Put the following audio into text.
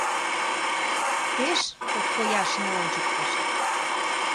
Пеш подкояшне ончыктышт.